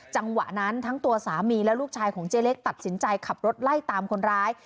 จังหวะนั้นทั้งตัวสามีและลูกชายของเจ๊เล็กตัดสินใจขับรถไล่ตามคนร้าย